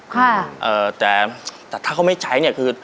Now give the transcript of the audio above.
ค่ะเอ่อแต่แต่ถ้าเขาไม่ใช้เนี่ยคือ